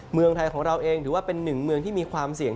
เมืองไทยของเราเองถือว่าเป็นหนึ่งเมืองที่มีความเสี่ยง